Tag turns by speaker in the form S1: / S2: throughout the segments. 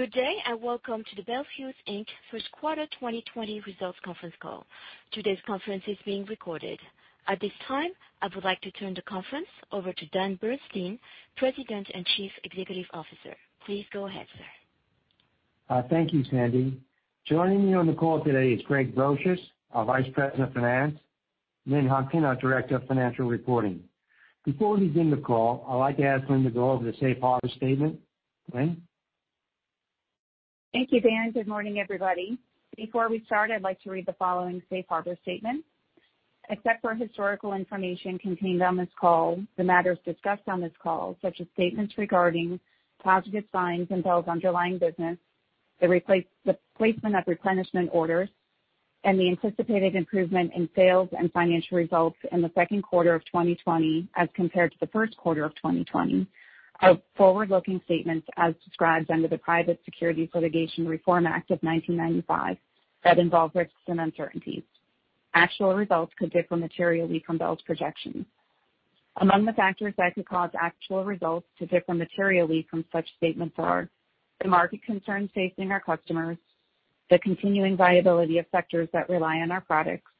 S1: Good day, welcome to the Bel Fuse Inc first quarter 2020 results conference call. Today's conference is being recorded. At this time, I would like to turn the conference over to Dan Bernstein, President and Chief Executive Officer. Please go ahead, sir.
S2: Thank you, Sandy. Joining me on the call today is Craig Brosious, our Vice President of Finance, Lynn Hutkin, our Director of Financial Reporting. Before we begin the call, I'd like to ask Lynn to go over the Safe Harbor statement. Lynn?
S3: Thank you, Dan. Good morning, everybody. Before we start, I'd like to read the following Safe Harbor statement. Except for historical information contained on this call, the matters discussed on this call, such as statements regarding positive signs in Bel's underlying business, the placement of replenishment orders, and the anticipated improvement in sales and financial results in the second quarter of 2020 as compared to the first quarter of 2020, are forward-looking statements as described under the Private Securities Litigation Reform Act of 1995 that involve risks and uncertainties. Actual results could differ materially from Bel's projections. Among the factors that could cause actual results to differ materially from such statements are the market concerns facing our customers, the continuing viability of sectors that rely on our products,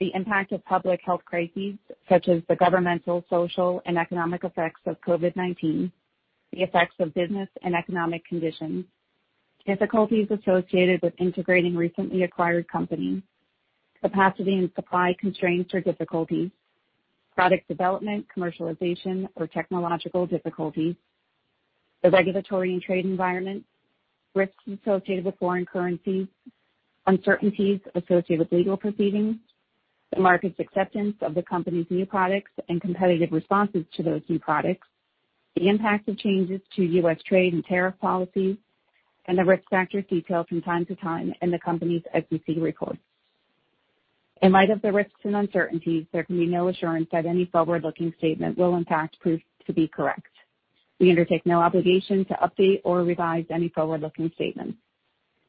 S3: the impact of public health crises, such as the governmental, social, and economic effects of COVID-19, the effects of business and economic conditions, difficulties associated with integrating recently acquired companies, capacity and supply constraints or difficulties, product development, commercialization, or technological difficulties, the regulatory and trade environment, risks associated with foreign currency, uncertainties associated with legal proceedings, the market's acceptance of the company's new products and competitive responses to those new products, the impact of changes to U.S. trade and tariff policies, and the risk factors detailed from time to time in the company's SEC records. In light of the risks and uncertainties, there can be no assurance that any forward-looking statement will, in fact, prove to be correct. We undertake no obligation to update or revise any forward-looking statements.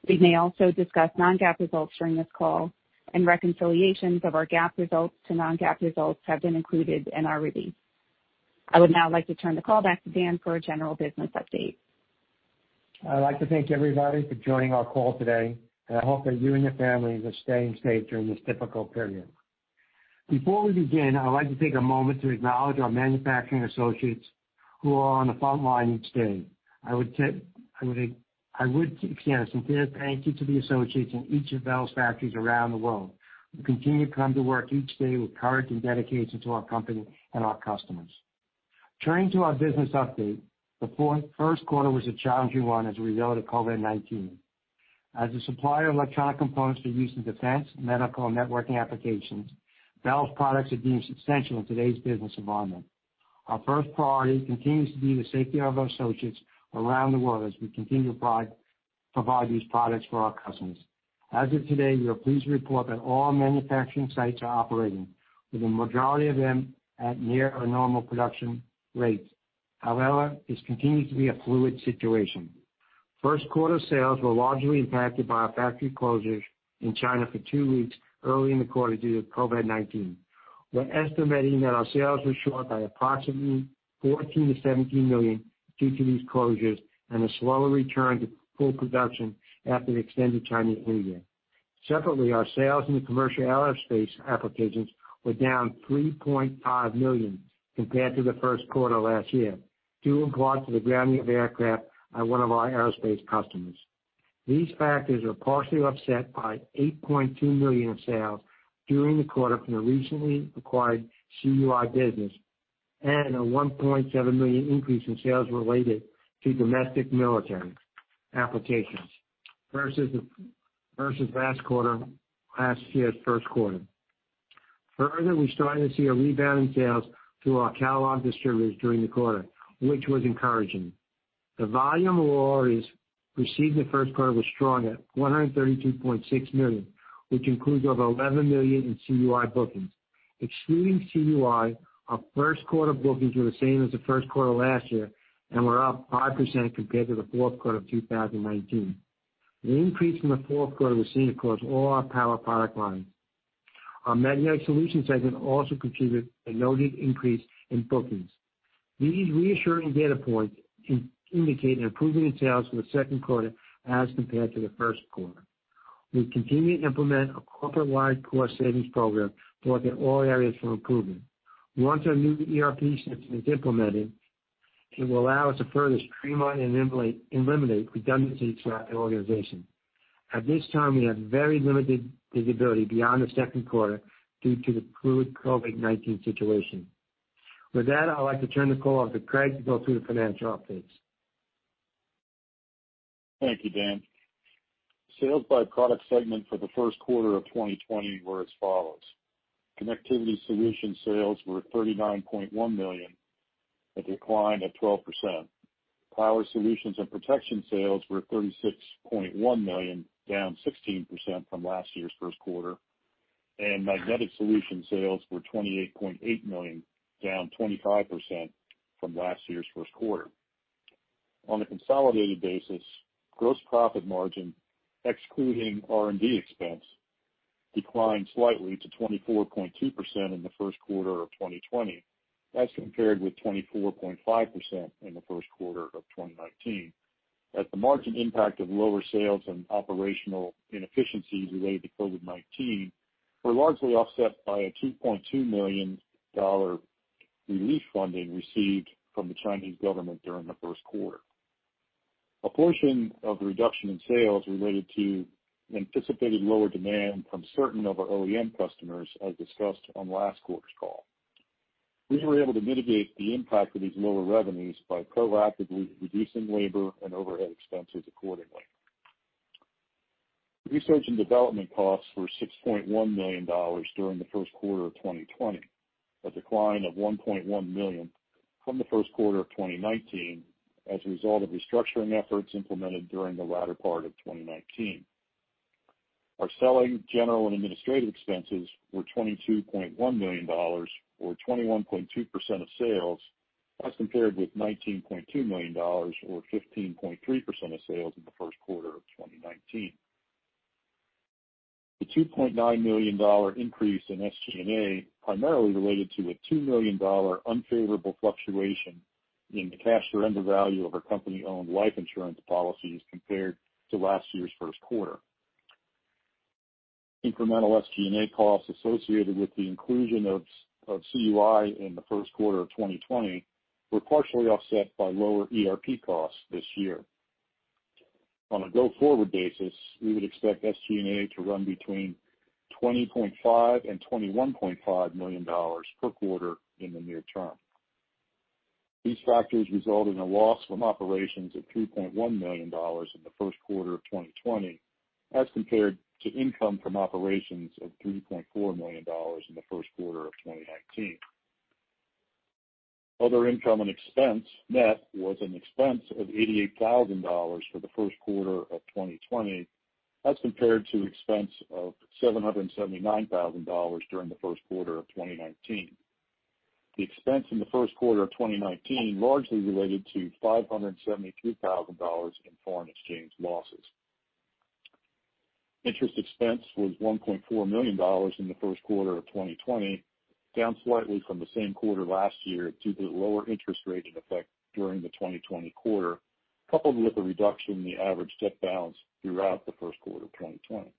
S3: We may also discuss non-GAAP results during this call, and reconciliations of our GAAP results to non-GAAP results have been included in our release. I would now like to turn the call back to Dan for a general business update.
S2: I'd like to thank everybody for joining our call today, and I hope that you and your families are staying safe during this difficult period. Before we begin, I would like to take a moment to acknowledge our manufacturing associates who are on the front line each day. I would extend a sincere thank you to the associates in each of Bel's factories around the world, who continue to come to work each day with courage and dedication to our company and our customers. Turning to our business update. The first quarter was a challenging one as we dealt with COVID-19. As a supplier of electronic components for use in defense, medical, and networking applications, Bel's products are deemed substantial in today's business environment. Our first priority continues to be the safety of our associates around the world as we continue to provide these products for our customers. As of today, we are pleased to report that all our manufacturing sites are operating, with a majority of them at near or normal production rates. However, this continues to be a fluid situation. First quarter sales were largely impacted by our factory closures in China for two weeks early in the quarter due to COVID-19. We're estimating that our sales were short by approximately $14 million-$17 million due to these closures and a slower return to full production after the extended Chinese New Year. Separately, our sales in the commercial aerospace applications were down $3.5 million compared to the first quarter last year, due in part to the grounding of aircraft at one of our aerospace customers. These factors are partially offset by $8.2 million in sales during the quarter from the recently acquired CUI business and a $1.7 million increase in sales related to domestic military applications versus last quarter, last year's first quarter. Further, we're starting to see a rebound in sales through our catalog distributors during the quarter, which was encouraging. The volume of orders received in the first quarter was strong at $132.6 million, which includes over $11 million in CUI bookings. Excluding CUI, our first quarter bookings were the same as the first quarter last year and were up 5% compared to the fourth quarter of 2019. The increase from the fourth quarter was seen across all our power product lines. Our Magnetic Solutions segment also contributed a noted increase in bookings. These reassuring data points indicate an improvement in sales for the second quarter as compared to the first quarter. We continue to implement a corporate-wide cost savings program to look at all areas for improvement. Once our new ERP system is implemented, it will allow us to further streamline and eliminate redundancies throughout the organization. At this time, we have very limited visibility beyond the second quarter due to the fluid COVID-19 situation. With that, I'd like to turn the call over to Craig to go through the financial updates.
S4: Thank you, Dan. Sales by product segment for the first quarter of 2020 were as follows. Connectivity Solutions sales were at $39.1 million, a decline of 12%. Power Solutions and Protection sales were at $36.1 million, down 16% from last year's first quarter. Magnetic Solutions sales were $28.8 million, down 25% from last year's first quarter. On a consolidated basis, gross profit margin, excluding R&D expense declined slightly to 24.2% in the first quarter of 2020. That's compared with 24.5% in the first quarter of 2019. The margin impact of lower sales and operational inefficiencies related to COVID-19 were largely offset by a $2.2 million relief funding received from the Chinese government during the first quarter. A portion of the reduction in sales related to anticipated lower demand from certain of our OEM customers, as discussed on last quarter's call. We were able to mitigate the impact of these lower revenues by proactively reducing labor and overhead expenses accordingly. Research & Development costs were $6.1 million during the first quarter of 2020, a decline of $1.1 million from the first quarter of 2019 as a result of restructuring efforts implemented during the latter part of 2019. Our selling, general, and administrative expenses were $22.1 million, or 21.2% of sales, as compared with $19.2 million, or 15.3% of sales in the first quarter of 2019. The $2.9 million increase in SGA primarily related to a $2 million unfavorable fluctuation in the cash surrender value of our company-owned life insurance policies compared to last year's first quarter. Incremental SGA costs associated with the inclusion of CUI in the first quarter of 2020 were partially offset by lower ERP costs this year. On a go-forward basis, we would expect SG&A to run between $20.5 million and $21.5 million per quarter in the near term. These factors result in a loss from operations of $2.1 million in the first quarter of 2020 as compared to income from operations of $3.4 million in the first quarter of 2019. Other income and expense net was an expense of $88,000 for the first quarter of 2020 as compared to expense of $779,000 during the first quarter of 2019. The expense in the first quarter of 2019 largely related to $573,000 in foreign exchange losses. Interest expense was $1.4 million in the first quarter of 2020, down slightly from the same quarter last year due to the lower interest rate in effect during the 2020 quarter, coupled with a reduction in the average debt balance throughout the first quarter of 2020.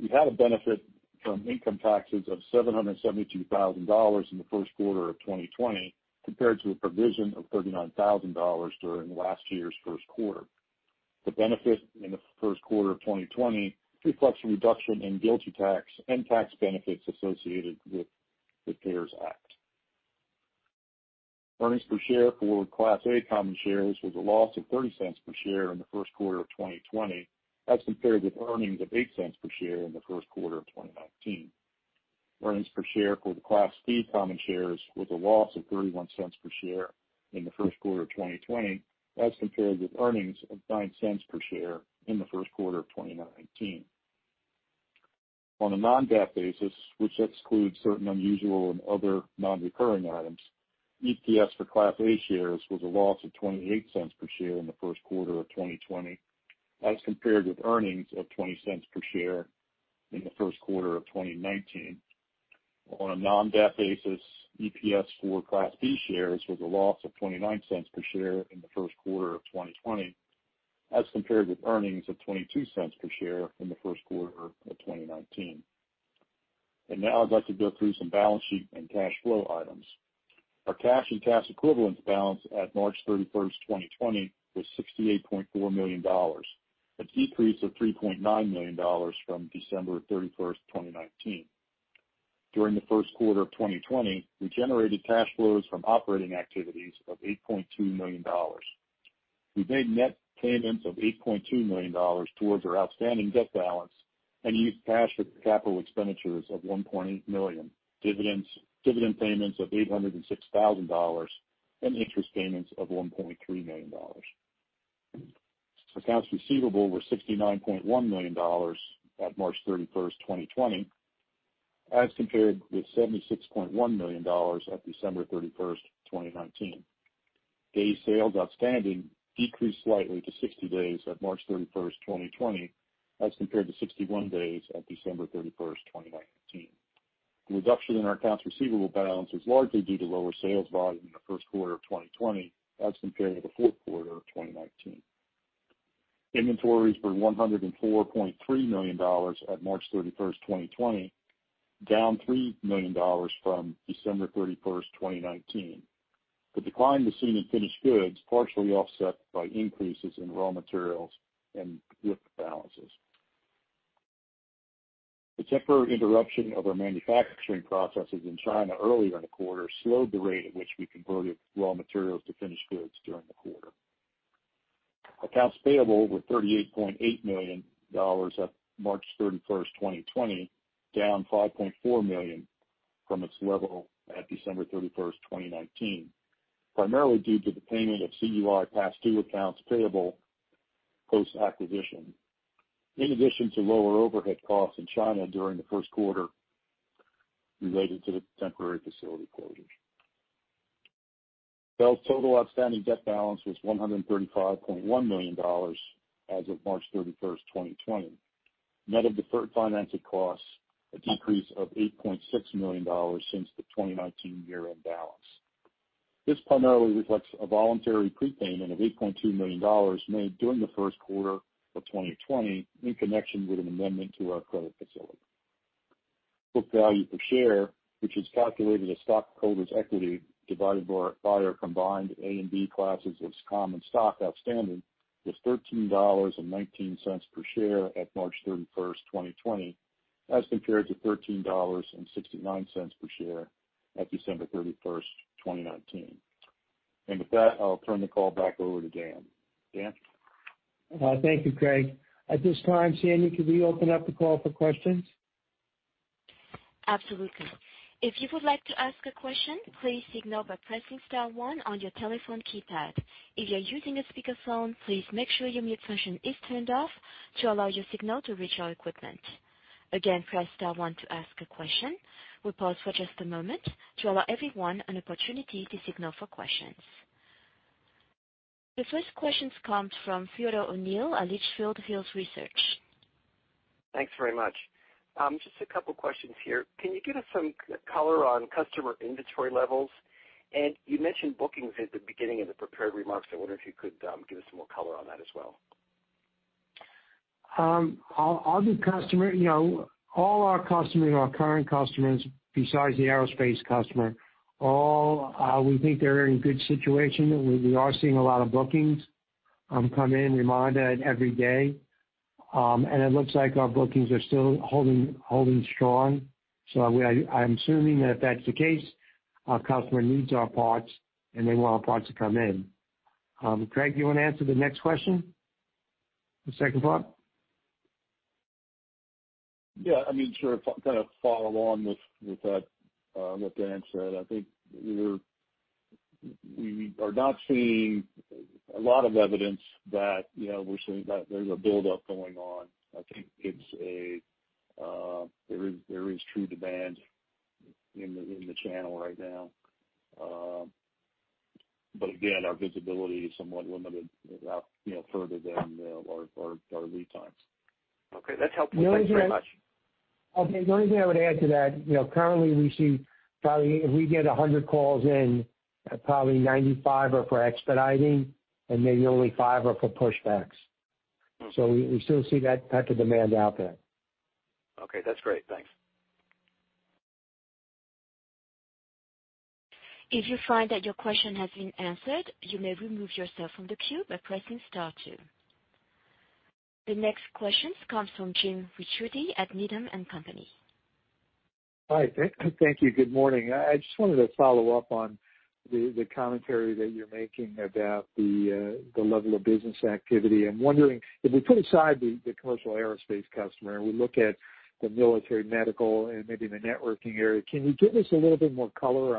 S4: We had a benefit from income taxes of $772,000 in the first quarter of 2020 compared to a provision of $39,000 during last year's first quarter. The benefit in the first quarter of 2020 reflects a reduction in GILTI tax and tax benefits associated with the CARES Act. Earnings per share for Class A common shares was a loss of $0.30 per share in the first quarter of 2020 as compared with earnings of $0.08 per share in the first quarter of 2019. Earnings per share for the Class B common shares was a loss of $0.31 per share in the first quarter of 2020 as compared with earnings of $0.09 per share in the first quarter of 2019. On a non-GAAP basis, which excludes certain unusual and other non-recurring items, EPS for Class A shares was a loss of $0.28 per share in the first quarter of 2020 as compared with earnings of $0.20 per share in the first quarter of 2019. On a non-GAAP basis, EPS for Class B shares was a loss of $0.29 per share in the first quarter of 2020 as compared with earnings of $0.22 per share in the first quarter of 2019. Now I'd like to go through some balance sheet and cash flow items. Our cash and cash equivalents balance at March 31, 2020, was $68.4 million, a decrease of $3.9 million from December 31, 2019. During the first quarter of 2020, we generated cash flows from operating activities of $8.2 million. We made net payments of $8.2 million towards our outstanding debt balance and used cash for capital expenditures of $1.8 million, dividend payments of $806,000, and interest payments of $1.3 million. Accounts receivable were $69.1 million at March 31st, 2020 as compared with $76.1 million at December 31st, 2019. Day sales outstanding decreased slightly to 60 days at March 31st, 2020, as compared to 61 days at December 31st, 2019. The reduction in our accounts receivable balance is largely due to lower sales volume in the first quarter of 2020 as compared to the fourth quarter of 2019. Inventories were $104.3 million at March 31st, 2020, down $3 million from December 31st, 2019. The decline was seen in finished goods, partially offset by increases in raw materials and WIP balances. The temporary interruption of our manufacturing processes in China earlier in the quarter slowed the rate at which we converted raw materials to finished goods during the quarter. Accounts payable were $38.8 million at March 31, 2020, down $5.4 million from its level at December 31st, 2019, primarily due to the payment of CUI past due accounts payable post-acquisition, in addition to lower overhead costs in China during the first quarter related to the temporary facility closures. Bel's total outstanding debt balance was $135.1 million as of March 31st, 2020, net of deferred financing costs, a decrease of $8.6 million since the 2019 year-end balance. This primarily reflects a voluntary prepayment of $8.2 million made during the first quarter of 2020 in connection with an amendment to our credit facility. Book value per share, which is calculated as stockholders' equity divided by our prior combined A and B classes of common stock outstanding, was $13.19 per share at March 31st, 2020, as compared to $13.69 per share at December 31st, 2019. With that, I'll turn the call back over to Dan. Dan?
S2: Thank you, Craig. At this time, Sandy, could we open up the call for questions?
S1: Absolutely. If you would like to ask a question, please signal by pressing star one on your telephone keypad. If you're using a speakerphone, please make sure your mute function is turned off to allow your signal to reach our equipment. Again, press star one to ask a question. We'll pause for just a moment to allow everyone an opportunity to signal for questions. The first question comes from Theodore O'Neill at Litchfield Hills Research.
S5: Thanks very much. Just a couple questions here. Can you give us some color on customer inventory levels? You mentioned bookings at the beginning of the prepared remarks. I wonder if you could give us some more color on that as well.
S2: All our customers are current customers, besides the aerospace customer. We think they're in good situation. We are seeing a lot of bookings come in every day. It looks like our bookings are still holding strong. I'm assuming that if that's the case, our customer needs our parts, and they want our parts to come in. Craig, do you want to answer the next question? The second part?
S4: Yeah. Sure. To follow along with what Dan said, I think we are not seeing a lot of evidence that there's a buildup going on. I think there is true demand in the channel right now. Again, our visibility is somewhat limited further than our lead times.
S5: Okay, that's helpful. Thanks very much.
S2: Okay. The only thing I would add to that, currently, if we get 100 calls in, probably 95 are for expediting and maybe only five are for pushbacks. We still see that type of demand out there.
S5: Okay. That's great. Thanks.
S1: If you find that your question has been answered, you may remove yourself from the queue by pressing star two. The next question comes from Jim Ricchiuti at Needham & Company.
S6: Hi, thank you. Good morning. I just wanted to follow up on the commentary that you're making about the level of business activity. I'm wondering, if we put aside the commercial aerospace customer, and we look at the military medical and maybe the networking area, can you give us a little bit more color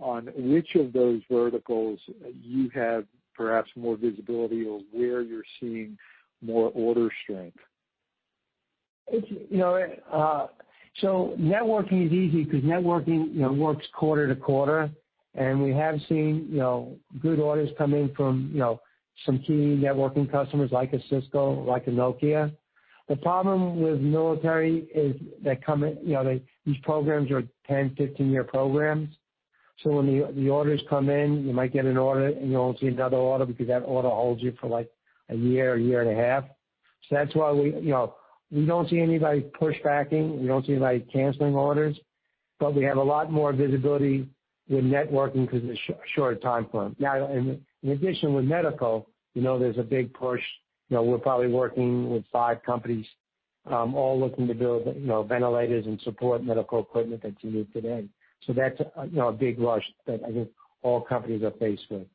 S6: on which of those verticals you have perhaps more visibility or where you're seeing more order strength?
S2: Networking is easy because networking works quarter to quarter. We have seen good orders come in from some key networking customers like a Cisco, like a Nokia. The problem with military is these programs are 10-15-year programs. When the orders come in, you might get an order, and you won't see another order because that order holds you for like a year or year and a half. That's why we don't see anybody push backing. We don't see anybody canceling orders. We have a lot more visibility with networking because of the short time frame. In addition with medical, there's a big push. We're probably working with five companies all looking to build ventilators and support medical equipment that's needed today. That's a big rush that I think all companies are faced with.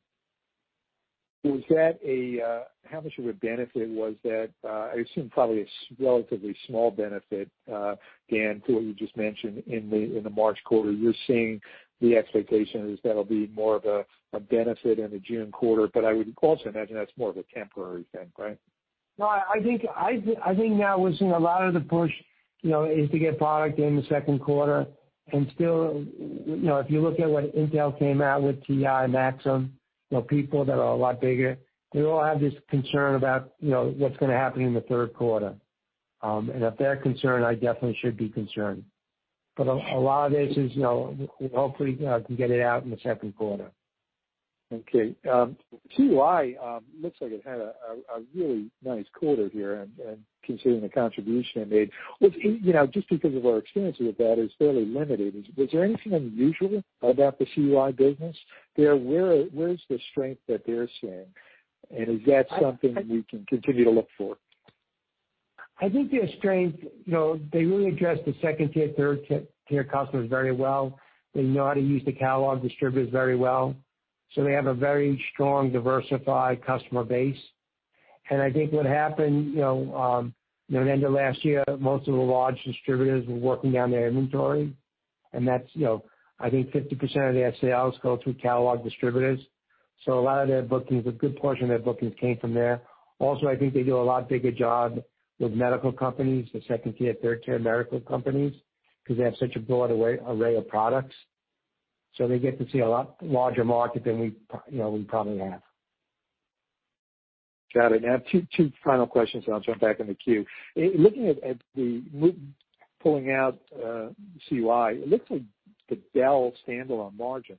S6: How much of a benefit was that? I assume probably a relatively small benefit, Dan, to what you just mentioned in the March quarter. You're seeing the expectation is that'll be more of a benefit in the June quarter. I would also imagine that's more of a temporary thing, right?
S2: No, I think now we're seeing a lot of the push is to get product in the second quarter. Still, if you look at what Intel came out with, TI, Maxim, people that are a lot bigger, they all have this concern about what's going to happen in the third quarter. If they're concerned, I definitely should be concerned. A lot of this is hopefully can get it out in the second quarter.
S6: Okay. CUI looks like it had a really nice quarter here, considering the contribution it made. Just because of our experience with that is fairly limited, was there anything unusual about the CUI business? Where is the strength that they're seeing? Is that something we can continue to look for?
S2: I think their strength, they really address the second tier, third tier customers very well. They know how to use the catalog distributors very well. They have a very strong, diversified customer base. I think what happened, at the end of last year, most of the large distributors were working down their inventory. That's I think 50% of their sales go through catalog distributors. A lot of their bookings, a good portion of their bookings came from there. Also, I think they do a lot bigger job with medical companies, the 2nd tier, 3rd tier medical companies. Because they have such a broad array of products, so they get to see a lot larger market than we probably have.
S6: Got it. I have two final questions, then I'll jump back in the queue. Looking at the pulling out CUI, it looks like the Bel standalone margins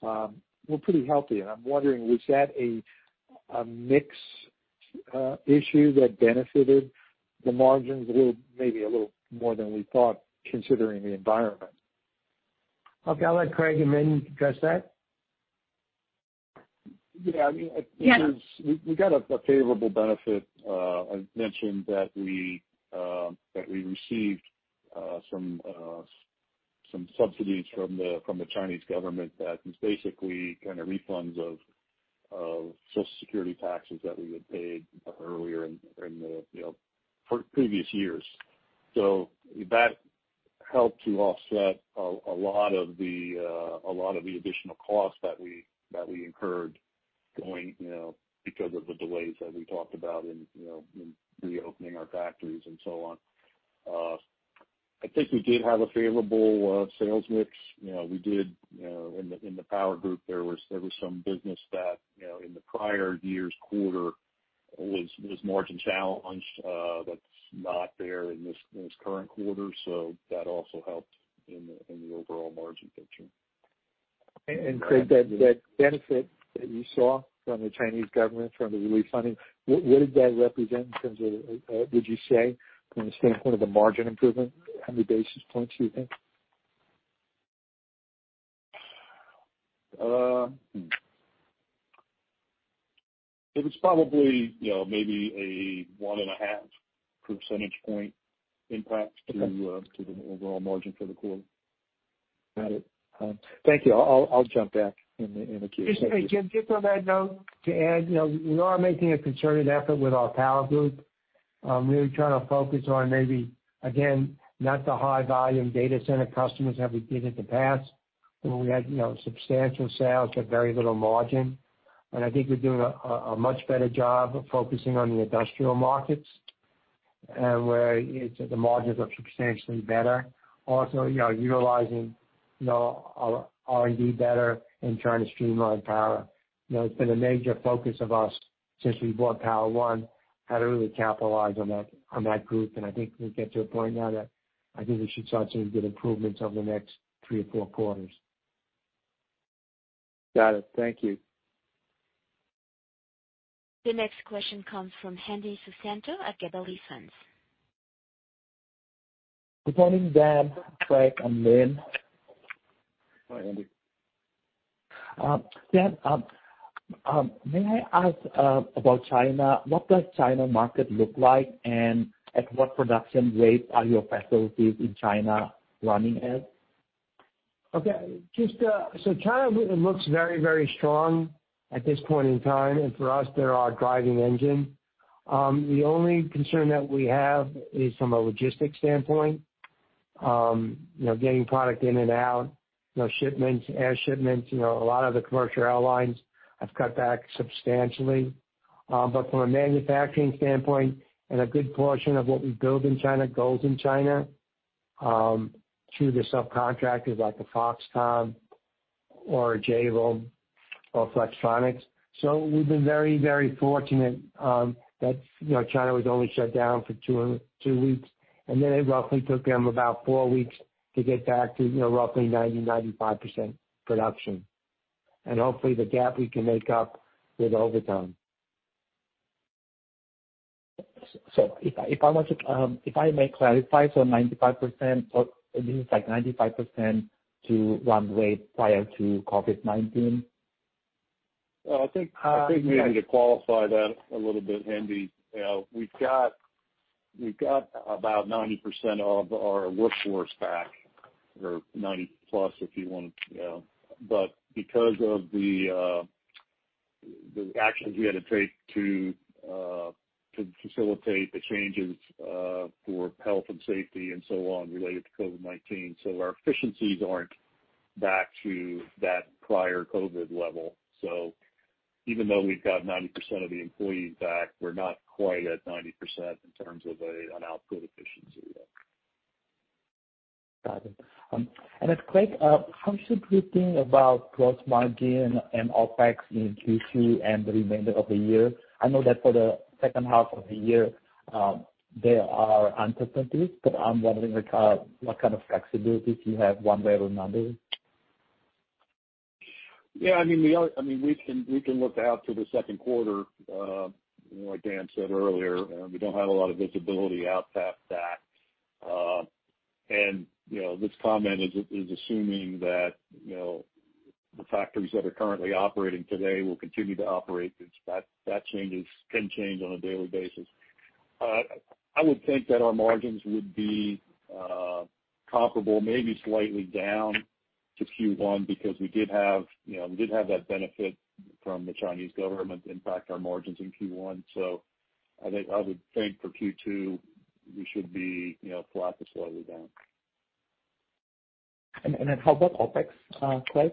S6: were pretty healthy, and I'm wondering, was that a mix issue that benefited the margins maybe a little more than we thought, considering the environment?
S2: Okay. I'll let Craig and Lynn address that.
S4: Yeah.
S3: Yeah.
S4: We got a favorable benefit. I mentioned that we received some subsidies from the Chinese government that was basically refunds of Social Security taxes that we had paid earlier in the previous years. That helped to offset a lot of the additional costs that we incurred going because of the delays that we talked about in reopening our factories and so on. I think we did have a favorable sales mix. In the power group, there was some business that in the prior year's quarter was margin-challenged, that's not there in this current quarter, so that also helped in the overall margin picture.
S6: Craig, that benefit that you saw from the Chinese government, from the relief funding, what did that represent in terms of, would you say, from the standpoint of the margin improvement, how many basis points do you think?
S4: It was probably maybe a one and a half percentage point impact to the overall margin for the quarter.
S6: Got it. Thank you. I'll jump back in the queue.
S2: Hey, Jim, just on that note to add, we are making a concerted effort with our power group. Really trying to focus on maybe, again, not the high-volume data center customers that we did in the past, where we had substantial sales at very little margin. I think we're doing a much better job of focusing on the industrial markets, and where the margins are substantially better. Also utilizing our R&D better and trying to streamline power. It's been a major focus of us since we bought Power-One, how to really capitalize on that group, and I think we get to a point now that I think we should start seeing good improvements over the next three or four quarters.
S6: Got it. Thank you.
S1: The next question comes from Hendi Susanto at Gabelli Funds.
S7: Good morning, Dan, Craig, and Lynn.
S4: Hi, Hendi.
S7: Dan, may I ask about China? What does China market look like, and at what production rates are your facilities in China running at?
S2: Okay. China looks very strong at this point in time, and for us, they're our driving engine. The only concern that we have is from a logistics standpoint. Getting product in and out, shipments, air shipments. A lot of the commercial airlines have cut back substantially. From a manufacturing standpoint, and a good portion of what we build in China goes in China, through the subcontractors like the Foxconn or a Jabil or Flextronics. We've been very fortunate that China was only shut down for two weeks, and then it roughly took them about four weeks to get back to roughly 90%-95% production. Hopefully the gap we can make up with overtime.
S7: If I may clarify. 95%, this is like 95% to run rate prior to COVID-19?
S4: I think maybe to qualify that a little bit, Hendi, we've got about 90% of our workforce back, or 90%+ if you want to. Because of the actions we had to take to facilitate the changes for health and safety and so on related to COVID-19, our efficiencies aren't back to that prior COVID level. Even though we've got 90% of the employees back, we're not quite at 90% in terms of an output efficiency yet.
S7: Got it. Craig, how should we think about gross margin and OpEx in Q2 and the remainder of the year? I know that for the second half of the year, there are uncertainties, but I'm wondering what kind of flexibility do you have one way or another?
S4: Yeah. We can look out to the second quarter. Like Dan said earlier, we don't have a lot of visibility out past that. This comment is assuming that the factories that are currently operating today will continue to operate. That can change on a daily basis. I would think that our margins would be comparable, maybe slightly down to Q1, because we did have that benefit from the Chinese government impact our margins in Q1. I would think for Q2, we should be flat to slightly down.
S7: How about OpEx, Craig?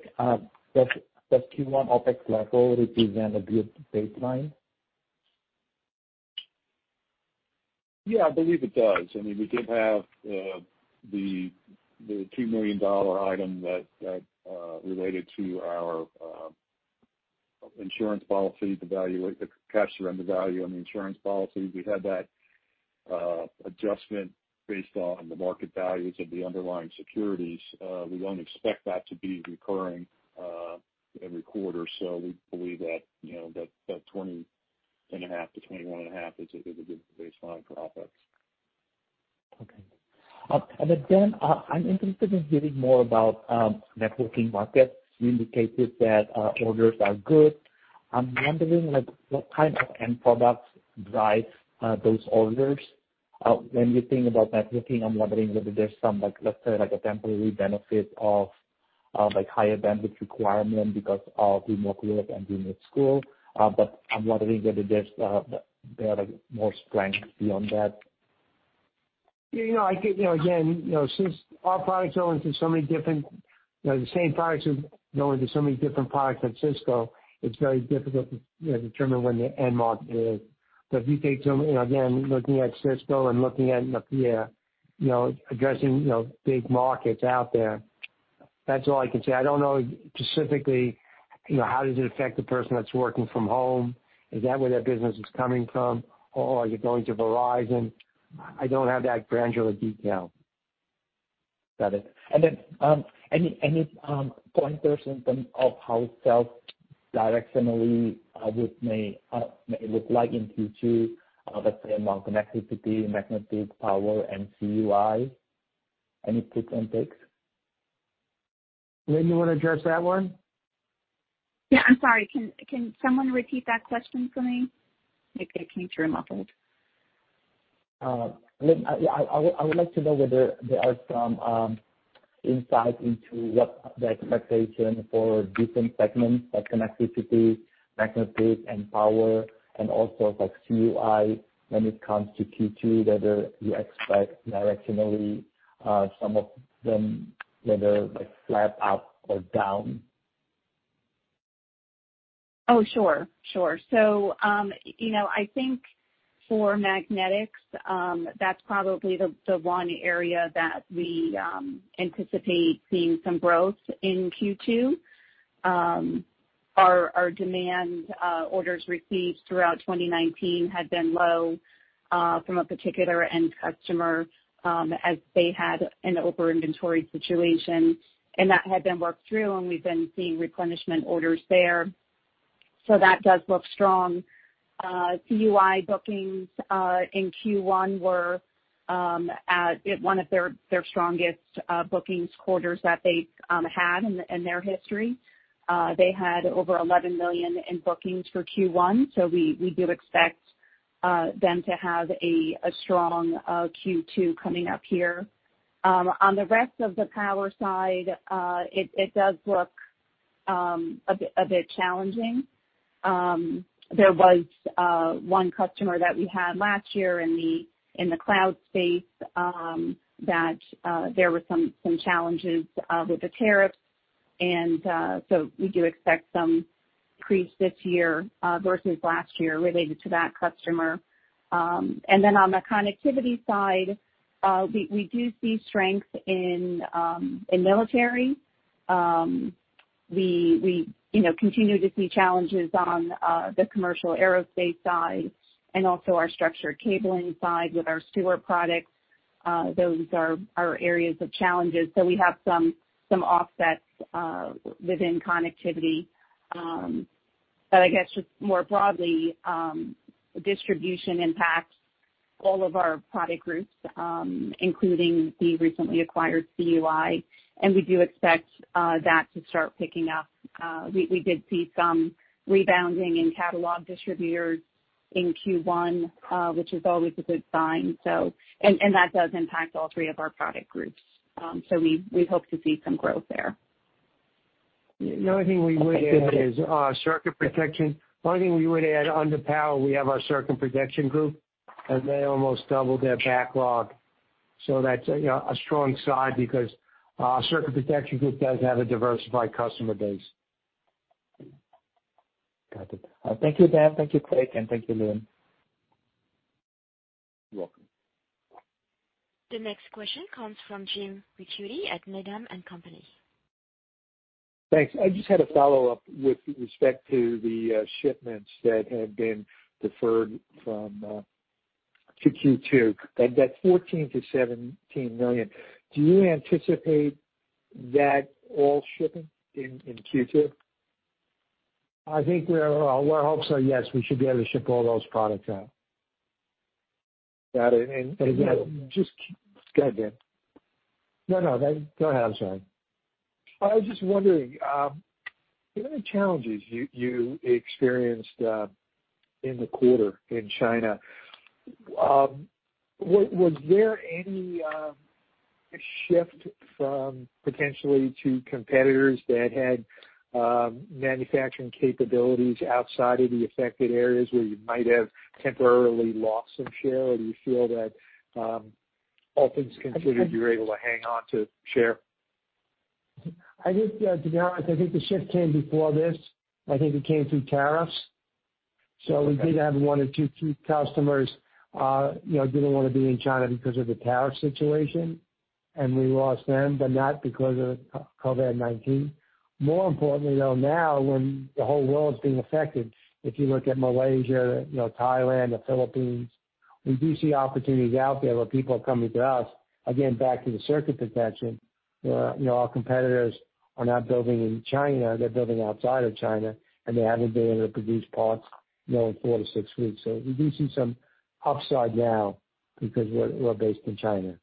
S7: Does Q1 OpEx level represent a good baseline?
S4: Yeah, I believe it does. We did have the $2 million item that related to our insurance policy, the cash surrender value on the insurance policy. We had that adjustment based on the market values of the underlying securities. We don't expect that to be recurring every quarter. We believe that $20.5 million-$21.5 million is a good baseline for OpEx.
S7: Okay. Dan, I'm interested in hearing more about networking market. You indicated that orders are good. I'm wondering what kind of end products drive those orders. When you think about networking, I'm wondering whether there's some, let's say, like a temporary benefit of higher bandwidth requirement because of remote work and remote school. But I'm wondering whether there are more strengths beyond that.
S2: Again, since our products go into so many different products at Cisco, it's very difficult to determine when the end market is. If you take, again, looking at Cisco and looking at Nokia, addressing big markets out there. That's all I can say. I don't know specifically, how does it affect the person that's working from home? Is that where their business is coming from, or are you going to Verizon? I don't have that granular detail.
S7: Got it. Any pointers in terms of how sales directionally with May look like in Q2, let's say, among Connectivity, Magnetics, Power, and CUI? Any ticks and picks?
S2: Lynn, you want to address that one?
S3: Yeah. I'm sorry. Can someone repeat that question for me? It came through muffled.
S7: I would like to know whether there are some insight into what the expectation for different segments, like Connectivity, Magnetics, and Power, and also CUI when it comes to Q2, whether you expect directionally some of them, whether like flat, up, or down?
S3: Oh, sure. I think for magnetics, that's probably the one area that we anticipate seeing some growth in Q2. Our demand orders received throughout 2019 had been low from a particular end customer, as they had an over-inventory situation, and that had been worked through, and we've been seeing replenishment orders there. That does look strong. CUI bookings in Q1 were at one of their strongest bookings quarters that they've had in their history. They had over $11 million in bookings for Q1. We do expect them to have a strong Q2 coming up here. On the rest of the power side, it does look a bit challenging. There was one customer that we had last year in the cloud space, that there were some challenges with the tariffs. We do expect some decrease this year versus last year related to that customer. Then on the connectivity side, we do see strength in military. We continue to see challenges on the commercial aerospace side and also our structured cabling side with our Stewart products. Those are our areas of challenges. We have some offsets within connectivity. I guess just more broadly, distribution impacts all of our product groups, including the recently acquired CUI, and we do expect that to start picking up. We did see some rebounding in catalog distributors in Q1, which is always a good sign. That does impact all three of our product groups. We hope to see some growth there.
S2: The only thing we would add is circuit protection. One thing we would add under power, we have our circuit protection group. They almost doubled their backlog. That's a strong side because our circuit protection group does have a diversified customer base.
S7: Got it. Thank you, Dan. Thank you, Craig. Thank you, Lynn.
S4: You're welcome.
S1: The next question comes from Jim Ricchiuti at Needham & Company.
S6: Thanks. I just had a follow-up with respect to the shipments that have been deferred to Q2, that $14 million-$17 million. Do you anticipate that all shipping in Q2?
S2: I think our hopes are yes, we should be able to ship all those products out.
S6: Got it. again, Go ahead, Dan.
S2: No, no. Go ahead, I'm sorry.
S6: I was just wondering, given the challenges you experienced in the quarter in China, was there any shift from potentially to competitors that had manufacturing capabilities outside of the affected areas where you might have temporarily lost some share? Or do you feel that all things considered, you were able to hang on to share?
S2: I think, to be honest, I think the shift came before this. I think it came through tariffs. We did have one or two, three customers who didn't want to be in China because of the tariff situation, and we lost them, but not because of COVID-19. More importantly, though, now when the whole world's being affected, if you look at Malaysia, Thailand, the Philippines, we do see opportunities out there where people are coming to us. Again, back to the circuit protection, our competitors are not building in China. They're building outside of China, and they haven't been able to produce parts in four to six weeks. We do see some upside now because we're based in China.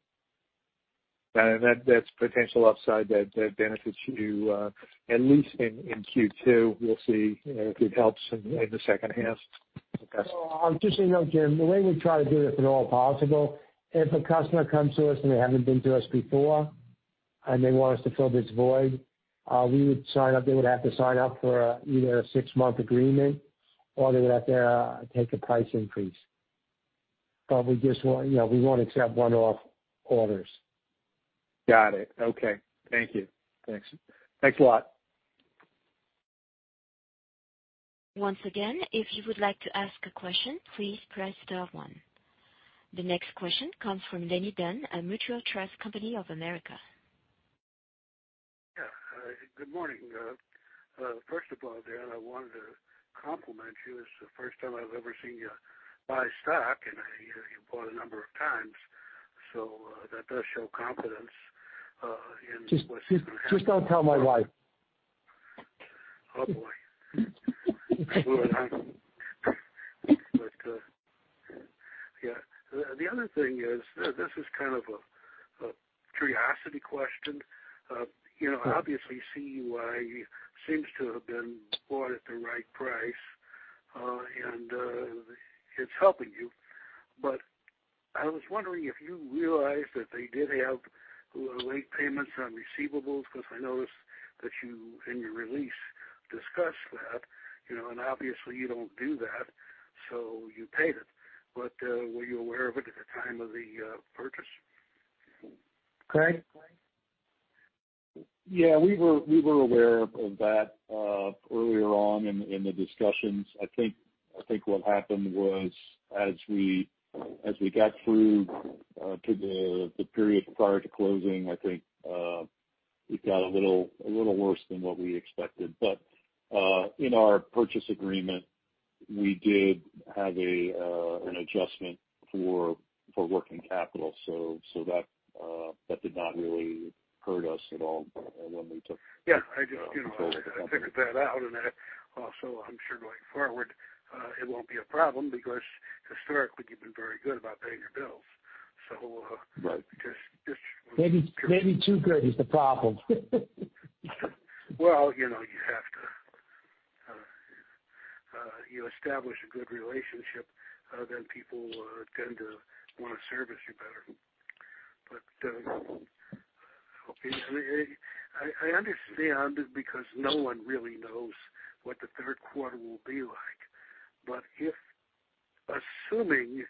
S6: That's potential upside that benefits you at least in Q2. We'll see if it helps in the second half. Okay.
S2: Just so you know, Jim, the way we try to do it, if at all possible, if a customer comes to us and they haven't been to us before, and they want us to fill this void, they would have to sign up for either a six-month agreement or they would have to take a price increase. We won't accept one-off orders.
S6: Got it. Okay. Thank you. Thanks. Thanks a lot.
S1: Once again, if you would like to ask a question, please press star one. The next question comes from Leonard Dunn at Mutual Trust Company of America.
S8: Yeah. Good morning. First of all, Dan, I wanted to compliment you. It's the first time I've ever seen you buy stock, and you bought a number of times, so that does show confidence in what's going to happen.
S2: Just don't tell my wife.
S8: Oh, boy. The other thing is, this is kind of a curiosity question. Obviously, CUI seems to have been bought at the right price, and it's helping you. I was wondering if you realized that they did have late payments on receivables, because I noticed that you, in your release, discussed that. Obviously you don't do that, so you paid it. Were you aware of it at the time of the purchase?
S2: Craig?
S4: Yeah, we were aware of that earlier on in the discussions. I think what happened was as we got through to the period prior to closing, I think it got a little worse than what we expected. In our purchase agreement, we did have an adjustment for working capital. That did not really hurt us at all when we took control of the company.
S8: Yeah, I figured that out, and also I'm sure going forward it won't be a problem because historically you've been very good about paying your bills.
S4: Right
S8: just-
S2: Maybe too good is the problem.
S8: You have to establish a good relationship, then people tend to want to service you better. I understand because no one really knows what the third quarter will be like. If assuming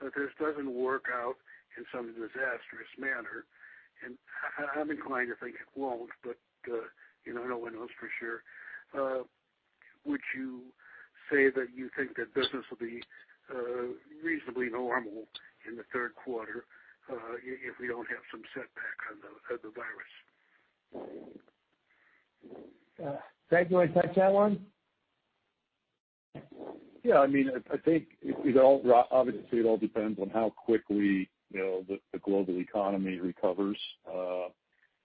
S8: that this doesn't work out in some disastrous manner, and I'm inclined to think it won't, but no one knows for sure, would you say that you think that business will be reasonably normal in the third quarter if we don't have some setback on the virus?
S2: Craig, do you want to touch that one?
S4: I think, obviously, it all depends on how quickly the global economy recovers.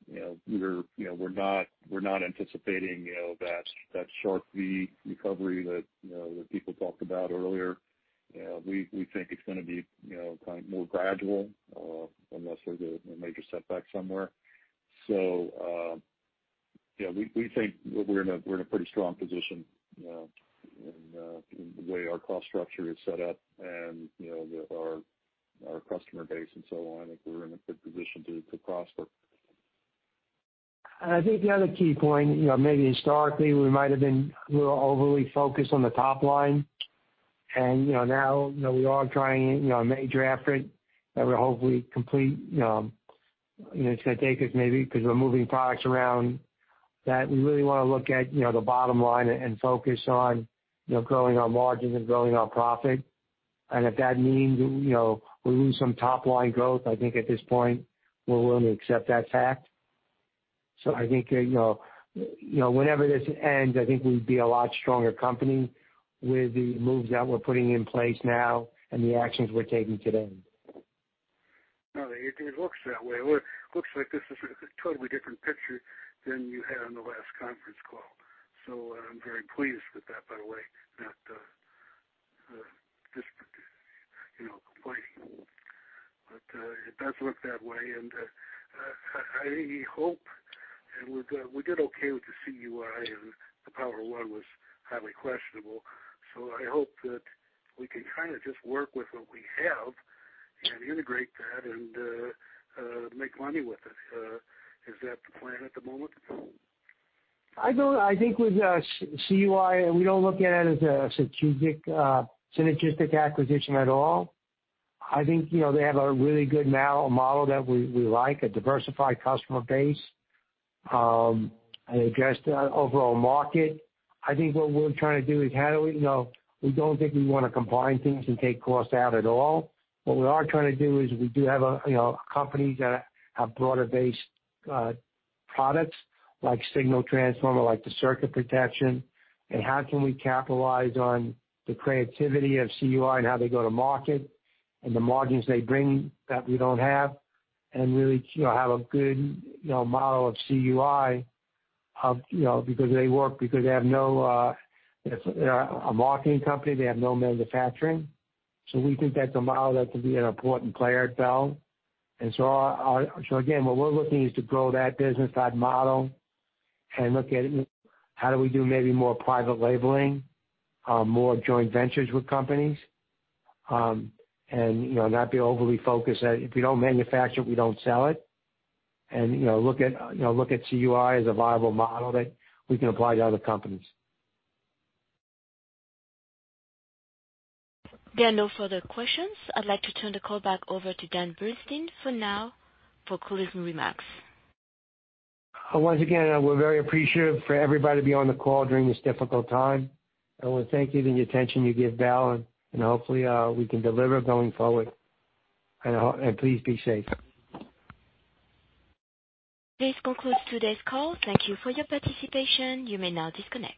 S4: We're not anticipating that sharp V recovery that people talked about earlier. We think it's going to be more gradual, unless there's a major setback somewhere. We think we're in a pretty strong position in the way our cost structure is set up and with our customer base and so on, I think we're in a good position to prosper.
S2: I think the other key point, maybe historically, we might've been a little overly focused on the top line. Now we are trying a major effort that will hopefully complete. It's going to take us maybe, because we're moving products around, that we really want to look at the bottom line and focus on growing our margins and growing our profit. If that means we lose some top-line growth, I think at this point we're willing to accept that fact. I think whenever this ends, I think we'd be a lot stronger company with the moves that we're putting in place now and the actions we're taking today.
S8: No, it looks that way. It looks like this is a totally different picture than you had on the last conference call. I'm very pleased with that, by the way, not complaining. It does look that way, and I hope, and we did okay with the CUI, and the Power-One was highly questionable. I hope that we can kind of just work with what we have and integrate that and make money with it. Is that the plan at the moment?
S2: I think with CUI, we don't look at it as a synergistic acquisition at all. I think they have a really good model that we like, a diversified customer base, and it addresses the overall market. I think what we're trying to do is we don't think we want to combine things and take costs out at all. What we are trying to do is we do have companies that have broader-based products like Signal Transformer, like the circuit protection, and how can we capitalize on the creativity of CUI and how they go to market and the margins they bring that we don't have, and really have a good model of CUI because they work, because they're a marketing company, they have no manufacturing. We think that's a model that can be an important player at Bel. Again, what we're looking is to grow that business, that model, and look at how do we do maybe more private labeling, more joint ventures with companies, and not be overly focused that if we don't manufacture it, we don't sell it. Look at CUI as a viable model that we can apply to other companies.
S1: There are no further questions. I'd like to turn the call back over to Dan Bernstein for now for closing remarks.
S2: Once again, we're very appreciative for everybody to be on the call during this difficult time, and we thank you for the attention you give Bel, and hopefully we can deliver going forward. Please be safe.
S1: This concludes today's call. Thank you for your participation. You may now disconnect.